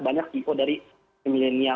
banyak ceo dari milenial